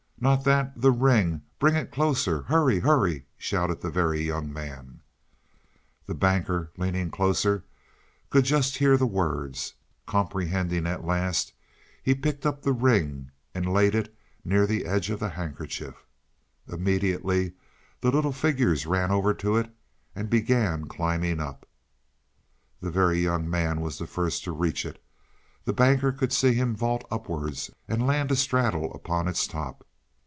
"Not that the ring. Bring it closer. Hurry Hurry!" shouted the Very Young Man. The Banker, leaning closer, could just hear the words. Comprehending at last, he picked up the ring and laid it near the edge of the handkerchief. Immediately the little figures ran over to it and began climbing up. The Very Young Man was the first to reach it; the Banker could see him vault upwards and land astraddle upon its top.